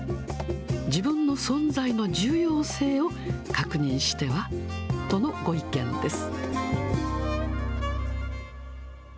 自分の存在の重要性を確認しては？とのご意見です。